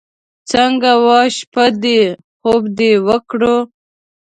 څنګه وه شپه دې؟ خوب دې وکړو.